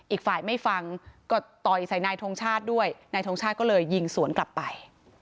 อีกฝ่ายไม่ฟังก็ต่อยใส่นายทงชาติด้วยนายทงชาติก็เลยยิงสวนกลับไป